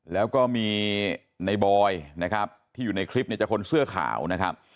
แล้วก็มีในบอยนะครับที่อยู่ในคลิปเนี่ยจะคนเสื้อขาวนะครับ